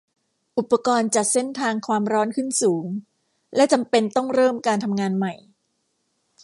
อุปกรณ์จัดเส้นทางความร้อนขึ้นสูง และจำเป็นต้องเริ่มการทำงานใหม่